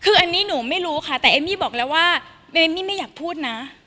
คืออันนี้หนูไม่รู้ค่ะแต่เอมมี่บอกแล้วว่าเอมมี่ไม่อยากพูดนะ